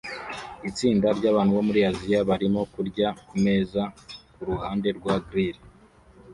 Itsinda ryabantu bo muri Aziya barimo kurya kumeza kuruhande rwa grill